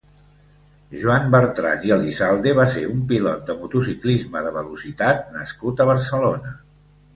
Joan Bertrand i Elizalde va ser un pilot de motociclisme de velocitat nascut a Barcelona.